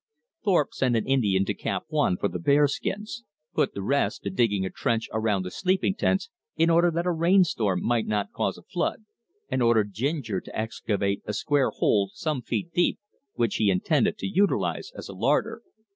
Thorpe sent an Indian to Camp One for the bearskins, put the rest to digging a trench around the sleeping tents in order that a rain storm might not cause a flood, and ordered Ginger to excavate a square hole some feet deep which he intended to utilize as a larder.